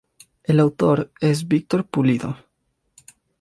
El autor es Víctor Pulido.